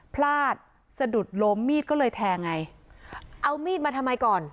พลาดสะดุดล้มมีดก็เลยแทงไงเอามีดมาทำไมก่อน